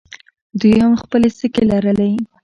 دوی هم خپلې سکې لرلې